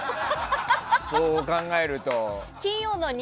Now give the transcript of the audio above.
そう考えると。